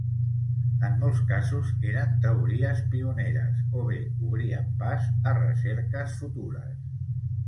En molts casos eren teories pioneres o bé obrien pas a recerques futures.